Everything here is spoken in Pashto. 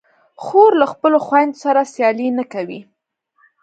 خور له خپلو خویندو سره سیالي نه کوي.